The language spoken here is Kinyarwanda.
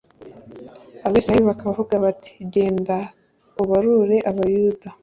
Abisirayeli bakavuga bati genda ubarure Abayuda.